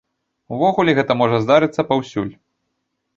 Увогуле гэта можа здарыцца паўсюль.